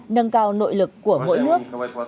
một nâng cao nội lực của mỗi nước